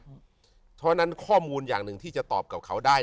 เพราะฉะนั้นข้อมูลอย่างหนึ่งที่จะตอบกับเขาได้